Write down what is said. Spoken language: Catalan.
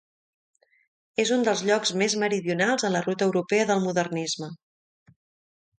És un dels llocs més meridionals a la ruta europea del modernisme.